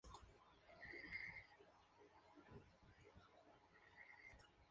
Lo hicieron de nuevo con la canción "Boy and Girl".